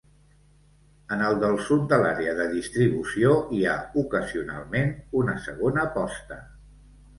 En el del sud de l'àrea de distribució hi ha ocasionalment una segona posta.